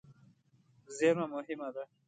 زېرمه مهمه ده.